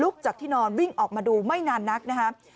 จากที่นอนวิ่งออกมาดูไม่นานนักนะครับ